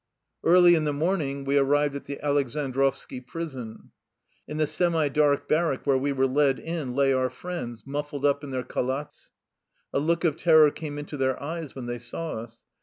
" Early in the morning we arrived at the Aleksandrovski prison. In the semi dark bar rack where we were led in lay our friends, muf fled up in their khalats. A look of terror came into their eyes when they saw us.